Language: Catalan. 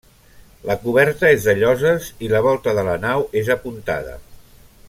La coberta és de lloses i la volta de la nau és apuntada.